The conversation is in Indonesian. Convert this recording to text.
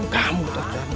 kamu yang jarmuk